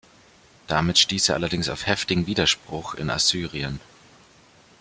Damit stieß er allerdings auf heftigen Widerspruch in Assyrien.